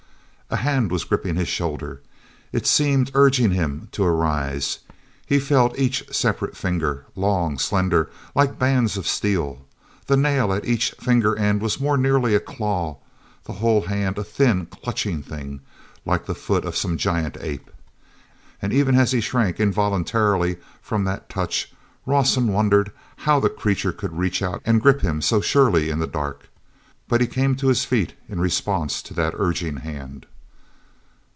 A hand was gripping his shoulder; it seemed urging him to arise. He felt each separate finger—long, slender, like bands of steel. The nail at each finger end was more nearly a claw, the whole hand a thin, clutching thing like the foot of some giant ape. And, even as he shrank involuntarily from that touch, Rawson wondered how the creature could reach out and grip him so surely in the dark. But he came to his feet in response to that urging hand.